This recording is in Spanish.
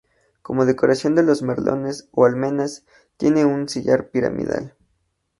Como decoración de los merlones o almenas, tiene un sillar piramidal.